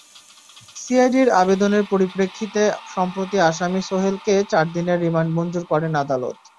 সিআইডির আবেদনের পরিপ্রেক্ষিতে সম্প্রতি আসামি সোহেলকে চার দিনের রিমান্ড মঞ্জুর করেন আদালত।